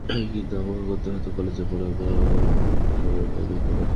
কিন্তু আমাকে করতে হত কলেজের পড়া, ওর মতো অত সময় দিতে পারি নি।